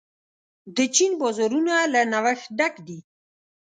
د چین بازارونه له نوښت ډک دي.